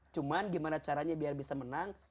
cuman gimana caranya biar bisa menang